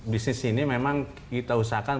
bisnis ini memang kita usahakan